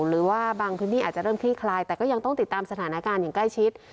หรือว่าบางพื้นที่อาจจะเริ่มคลี่คลายแต่ก็ยังต้องติดตามสถานการณ์อย่างใกล้ชิด